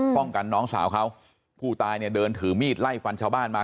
น้องกันน้องสาวเขาผู้ตายเนี่ยเดินถือมีดไล่ฟันชาวบ้านมา